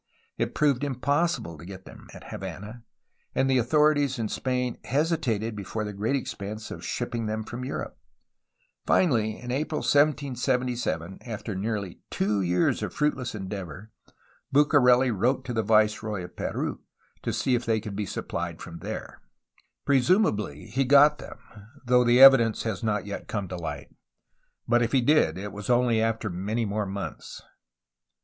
It proved impossible to get them at Havana, and the authorities in Spain hesitated before the great expense of shipping them from Europe, Finally, in April 1777, after nearly two years of fruitless endeavor, Bucareli wrote to the viceroy of Peru, to see if they could be supplied from there. BUCARELI'S ATTENTION TO LOCAL PROBLEMS 287 Presumably he got them, though the evidence has not yet come to light, but if he did, it was only after many more months.